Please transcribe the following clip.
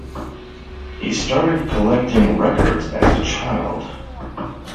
He started collecting records as a child.